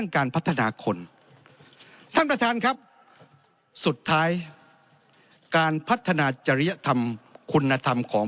การพัฒนาคนท่านประธานครับสุดท้ายการพัฒนาจริยธรรมคุณธรรมของ